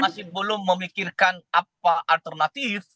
masih belum memikirkan apa alternatif